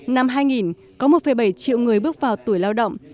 năm hai nghìn có một bảy triệu người bước vào tuổi lao động